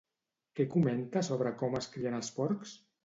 Què comenta sobre com es crien porcs?